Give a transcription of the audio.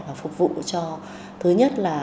và phục vụ cho thứ nhất là